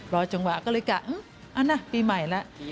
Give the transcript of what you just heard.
รอจังหวะก็เลยกะเอานะปีใหม่แล้ว